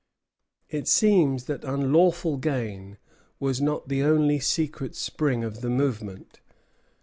It seems that unlawful gain was not the only secret spring of the movement.